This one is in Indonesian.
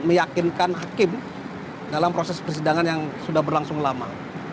meyakinkan hakim dalam proses persidangan yang sudah berlangsung lama